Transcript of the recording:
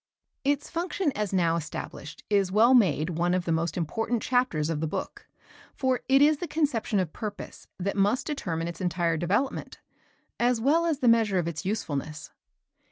Its function as now established is well made one of the most important chapters of the book, for it is the conception of purpose that must determine its entire development, as well as the measure of its usefulness.